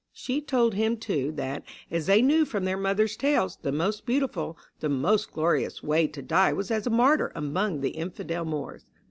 She told him, too, that, as they knew from their mother's tales, the most beautiful, the most glorious way to die was as a martyr among the infidel Moors.